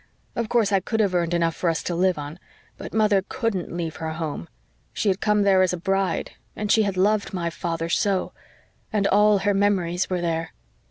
Of course, I could have earned enough for us to live on. But mother COULDN'T leave her home. She had come there as a bride and she had loved father so and all her memories were there.